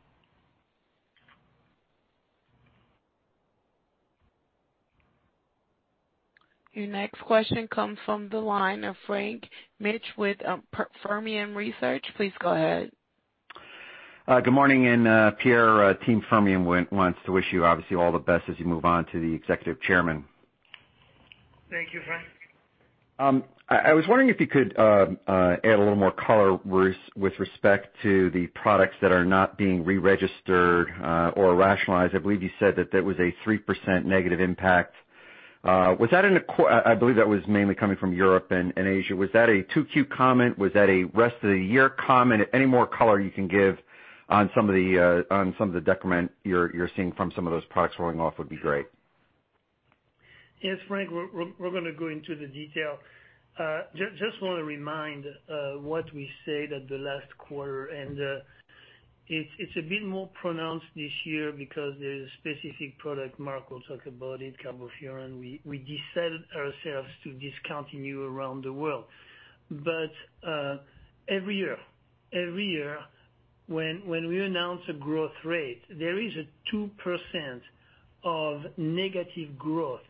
Your next question comes from the line of Frank Mitsch with Fermium Research. Please go ahead. Good morning. Pierre, Team Fermium wants to wish you obviously all the best as you move on to the Executive Chairman. Thank you, Frank. I was wondering if you could add a little more color with respect to the products that are not being reregistered or rationalized. I believe you said that that was a 3% negative impact. I believe that was mainly coming from Europe and Asia. Was that a 2Q comment? Was that a rest of the year comment? Any more color you can give on some of the decrement you're seeing from some of those products rolling off would be great. Yes, Frank. We're going to go into the detail. Just want to remind what we said at the last quarter. It's a bit more pronounced this year because there's a specific product, Mark will talk about it, carbofuran, we decided ourselves to discontinue around the world. Every year when we announce a growth rate, there is a 2% of negative growth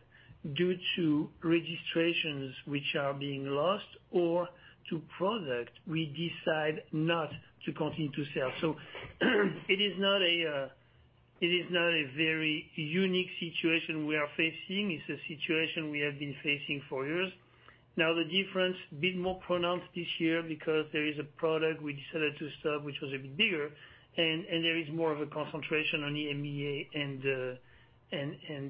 due to registrations which are being lost or to product we decide not to continue to sell. It is not a very unique situation we are facing. It's a situation we have been facing for years. The difference, a bit more pronounced this year because there is a product we decided to stop, which was a bit bigger, and there is more of a concentration on EMEA and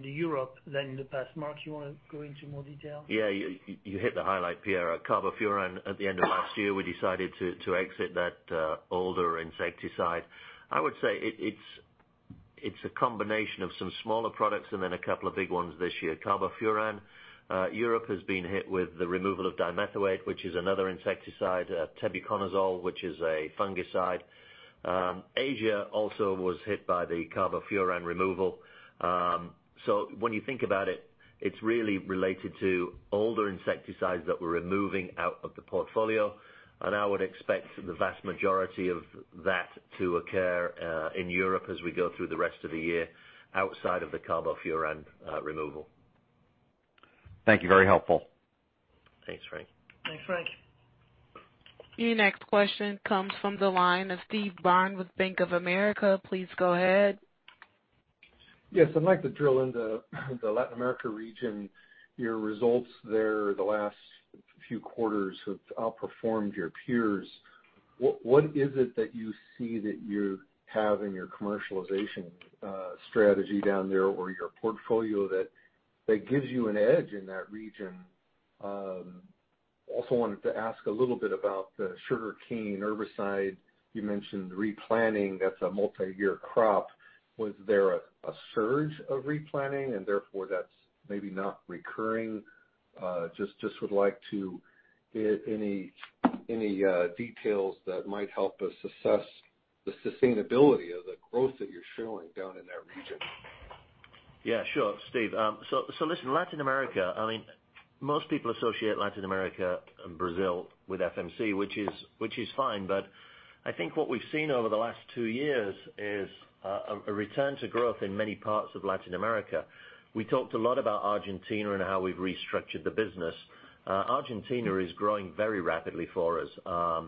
Europe than in the past. Mark, do you want to go into more detail? Yeah. You hit the highlight, Pierre. carbofuran at the end of last year, we decided to exit that older insecticide. I would say it's a combination of some smaller products and then a couple of big ones this year. carbofuran, Europe has been hit with the removal of dimethoate, which is another insecticide, tebuconazole, which is a fungicide. Asia also was hit by the carbofuran removal. When you think about it's really related to older insecticides that we're removing out of the portfolio, and I would expect the vast majority of that to occur in Europe as we go through the rest of the year outside of the carbofuran removal. Thank you. Very helpful. Thanks, Frank. Thanks, Frank. Your next question comes from the line of Steve Byrne with Bank of America. Please go ahead. Yes. I'd like to drill into the Latin America region. Your results there the last few quarters have outperformed your peers. What is it that you see that you have in your commercialization strategy down there or your portfolio that gives you an edge in that region? Wanted to ask a little bit about the sugarcane herbicide. You mentioned replanting. That's a multi-year crop. Was there a surge of replanting and therefore that's maybe not recurring? Just would like to get any details that might help us assess the sustainability of the growth that you're showing down in that region. Yeah, sure, Steve. Listen, Latin America, most people associate Latin America and Brazil with FMC, which is fine, but I think what we've seen over the last two years is a return to growth in many parts of Latin America. We talked a lot about Argentina and how we've restructured the business. Argentina is growing very rapidly for us.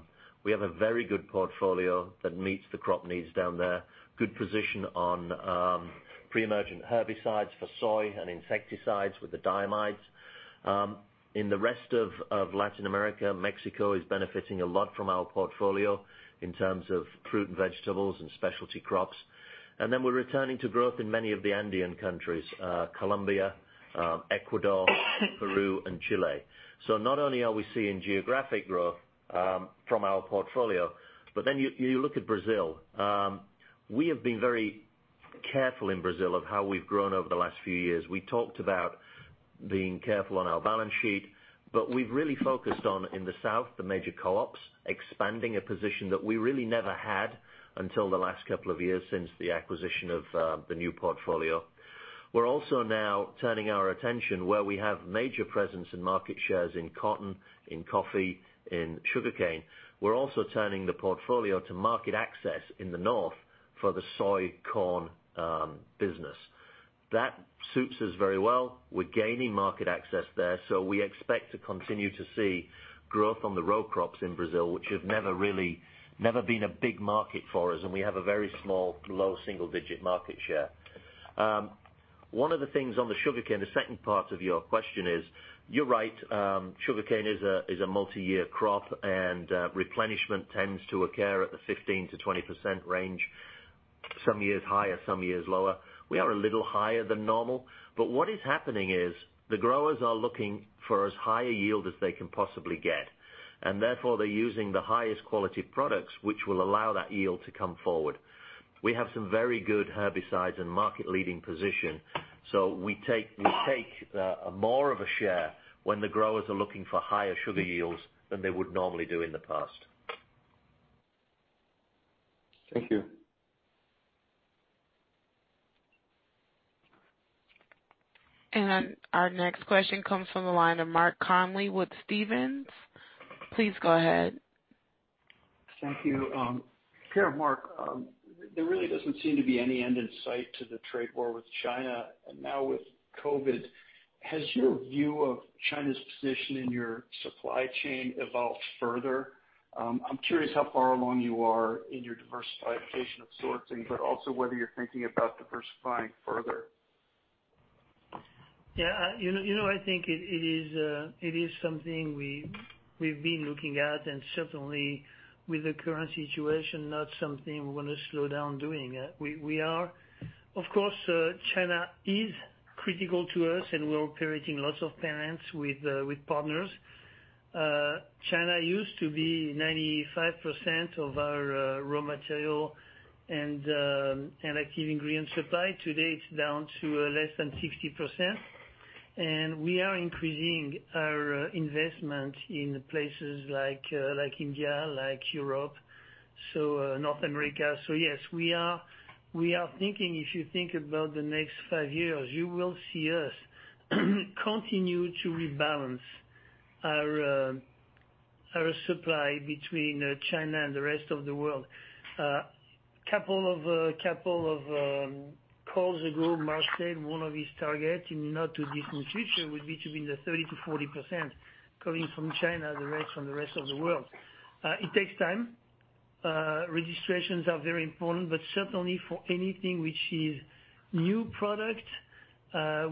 We have a very good portfolio that meets the crop needs down there. Good position on pre-emergent herbicides for soy and insecticides with the diamides. In the rest of Latin America, Mexico is benefiting a lot from our portfolio in terms of fruit and vegetables and specialty crops. We're returning to growth in many of the Andean countries, Colombia, Ecuador, Peru, and Chile. Not only are we seeing geographic growth from our portfolio, but then you look at Brazil. We have been very careful in Brazil of how we've grown over the last few years. We talked about being careful on our balance sheet. We've really focused on, in the south, the major co-ops, expanding a position that we really never had until the last couple of years since the acquisition of the new portfolio. We're also now turning our attention where we have major presence in market shares in cotton, in coffee, in sugarcane. We're also turning the portfolio to market access in the north for the soy/corn business. That suits us very well. We're gaining market access there. We expect to continue to see growth on the row crops in Brazil, which have never been a big market for us, and we have a very small, low single-digit market share. One of the things on the sugarcane, the second part of your question is, you're right, sugarcane is a multi-year crop, and replenishment tends to occur at the 15%-20% range. Some years higher, some years lower. We are a little higher than normal. What is happening is the growers are looking for as high a yield as they can possibly get. Therefore, they're using the highest quality products, which will allow that yield to come forward. We have some very good herbicides and market-leading position, so we take more of a share when the growers are looking for higher sugar yields than they would normally do in the past. Thank you. Our next question comes from the line of Mark Connelly with Stephens. Please go ahead. Thank you. Pierre, Mark. There really doesn't seem to be any end in sight to the trade war with China and now with COVID. Has your view of China's position in your supply chain evolved further? I'm curious how far along you are in your diversification of sourcing, but also whether you're thinking about diversifying further. Yeah. I think it is something we've been looking at. Certainly with the current situation, not something we want to slow down doing. Of course, China is critical to us. We're creating lots of payments with partners. China used to be 95% of our raw material and active ingredient supply. Today, it's down to less than 60%. We are increasing our investment in places like India, like Europe, North America. Yes, if you think about the next 5 years, you will see us continue to rebalance our supply between China and the rest of the world. A couple of calls ago, Mark said one of his targets in the not-too-distant future would be to be in the 30%-40% coming from China, the rest from the rest of the world. It takes time. Registrations are very important. Certainly for anything which is new product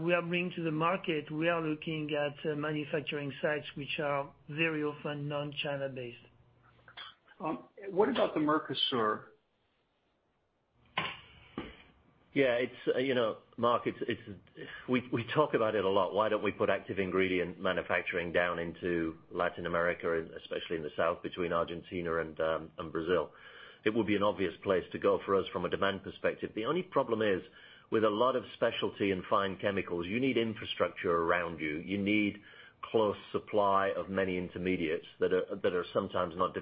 we are bringing to the market, we are looking at manufacturing sites which are very often non-China based. What about the Mercosur? Mark, we talk about it a lot. Why don't we put active ingredient manufacturing down into Latin America, especially in the south, between Argentina and Brazil? It would be an obvious place to go for us from a demand perspective. The only problem is, with a lot of specialty and fine chemicals, you need infrastructure around you. You need close supply of many intermediates that are sometimes not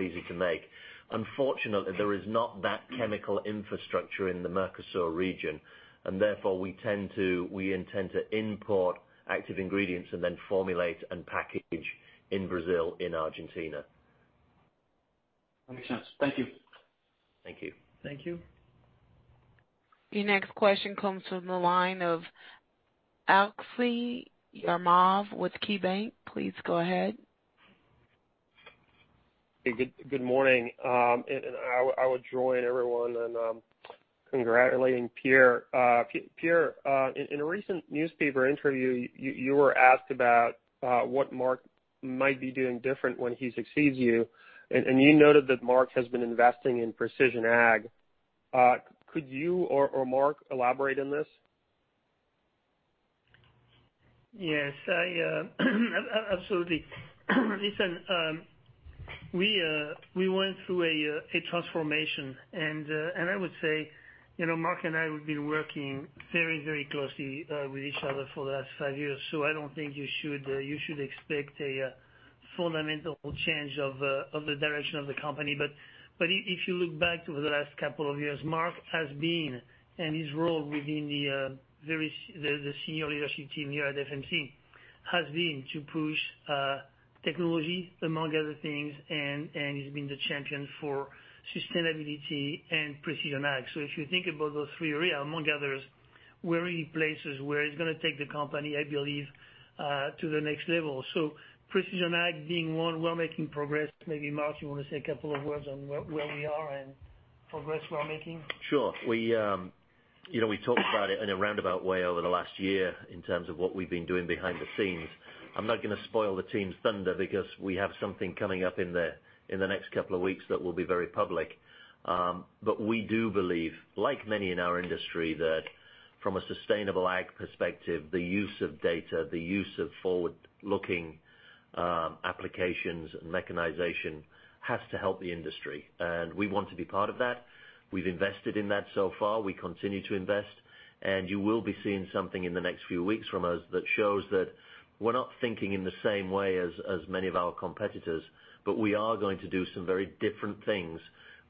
easy to make. Unfortunately, there is not that chemical infrastructure in the Mercosur region. Therefore, we intend to import active ingredients and then formulate and package in Brazil, in Argentina. Makes sense. Thank you. Thank you. Thank you. Your next question comes from the line of Aleksey Yefremov with KeyBanc. Please go ahead. Good morning. I would join everyone in congratulating Pierre. Pierre, in a recent newspaper interview, you were asked about what Mark might be doing different when he succeeds you, and you noted that Mark has been investing in precision ag. Could you or Mark elaborate on this? Yes, absolutely. Listen, we went through a transformation. I would say Mark and I have been working very closely with each other for the last five years. I don't think you should expect a fundamental change of the direction of the company. If you look back over the last couple of years, Mark has been, and his role within the senior leadership team here at FMC, has been to push technology, among other things, and he's been the champion for sustainability and precision ag. If you think about those three areas, among others, we're in places where he's going to take the company, I believe, to the next level. Precision ag being one. We're making progress. Maybe, Mark, you want to say a couple of words on where we are and progress we're making? Sure. We talked about it in a roundabout way over the last year in terms of what we've been doing behind the scenes. I'm not going to spoil the team's thunder because we have something coming up in the next couple of weeks that will be very public. We do believe, like many in our industry, that from a sustainable ag perspective, the use of data, the use of forward-looking applications and mechanization has to help the industry. We want to be part of that. We've invested in that so far. We continue to invest, and you will be seeing something in the next few weeks from us that shows that we're not thinking in the same way as many of our competitors. We are going to do some very different things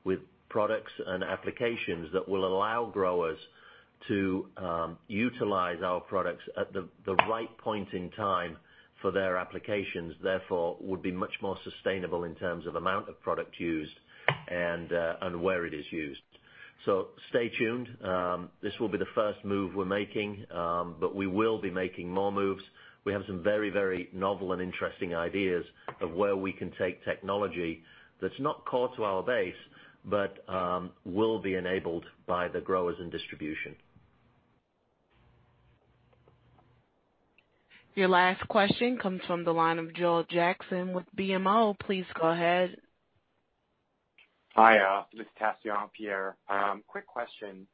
with products and applications that will allow growers to utilize our products at the right point in time for their applications, therefore would be much more sustainable in terms of amount of product used and where it is used. Stay tuned. This will be the first move we're making. We will be making more moves. We have some very novel and interesting ideas of where we can take technology that's not core to our base, but will be enabled by the growers and distribution. Your last question comes from the line of Joel Jackson with BMO. Please go ahead. Hi, this is Tassio Pierre. Quick question,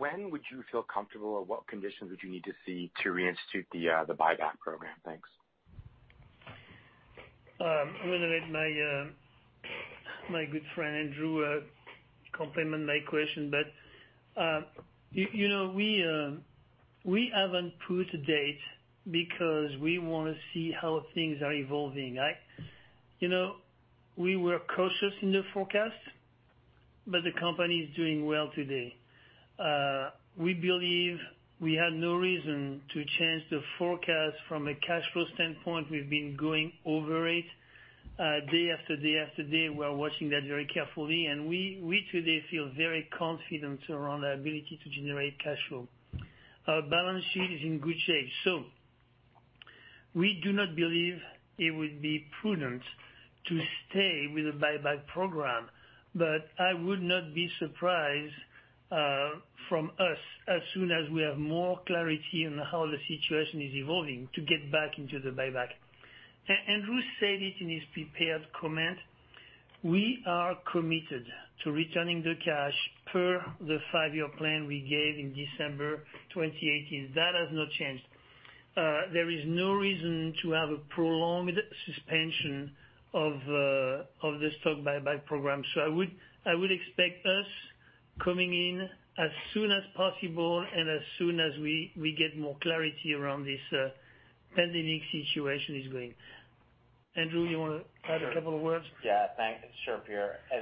when would you feel comfortable, or what conditions would you need to see to reinstitute the buyback program? Thanks. I'm going to let my good friend Andrew complement my question, but we haven't put a date because we want to see how things are evolving. We were cautious in the forecast, but the company is doing well today. We believe we have no reason to change the forecast from a cash flow standpoint. We've been going over it day after day after day. We are watching that very carefully, and we today feel very confident around our ability to generate cash flow. Our balance sheet is in good shape. We do not believe it would be prudent to stay with a buyback program. I would not be surprised from us, as soon as we have more clarity on how the situation is evolving, to get back into the buyback. Andrew said it in his prepared comment. We are committed to returning the cash per the five-year plan we gave in December 2018. That has not changed. There is no reason to have a prolonged suspension of the stock buyback program. I would expect us coming in as soon as possible and as soon as we get more clarity around this pandemic situation is going. Andrew, you want to add a couple of words? Yeah, thanks. Sure, Pierre. I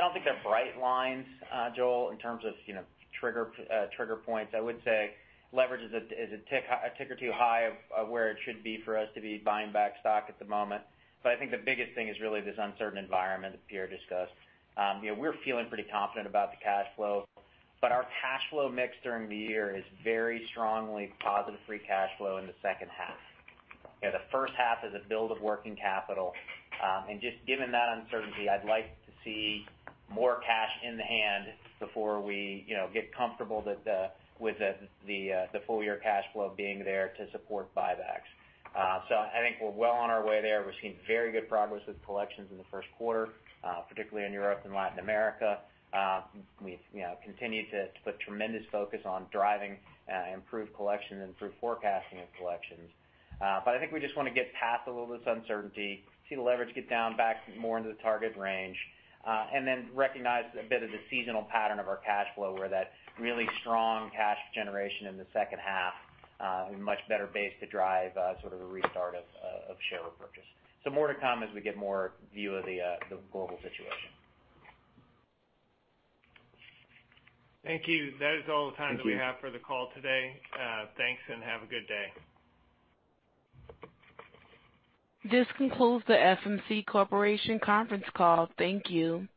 don't think they're bright lines, Joel, in terms of trigger points. I would say leverage is a tick or two high of where it should be for us to be buying back stock at the moment. I think the biggest thing is really this uncertain environment that Pierre discussed. We're feeling pretty confident about the cash flow, but our cash flow mix during the year is very strongly positive free cash flow in the second half. The first half is a build of working capital. Just given that uncertainty, I'd like to see more cash in the hand before we get comfortable with the full-year cash flow being there to support buybacks. I think we're well on our way there. We're seeing very good progress with collections in the first quarter, particularly in Europe and Latin America. We've continued to put tremendous focus on driving improved collection and improved forecasting of collections. I think we just want to get past a little of this uncertainty, see the leverage get down back more into the target range, and then recognize a bit of the seasonal pattern of our cash flow where that really strong cash generation in the second half, a much better base to drive sort of a restart of share repurchase. More to come as we get more view of the global situation. Thank you. That is all the time that we have for the call today. Thank you. Thanks, and have a good day. This concludes the FMC Corporation conference call. Thank you.